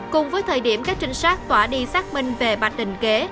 cùng với thời điểm các trinh sát tỏa đi xác minh về bạch đình kế